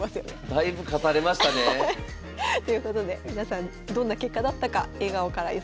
だいぶ勝たれましたね？ということで皆さんどんな結果だったか笑顔から予想してみてください。